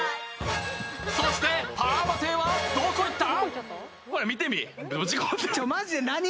そしてパーマ艇はどこいった？